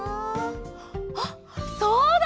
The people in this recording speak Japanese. あっそうだ！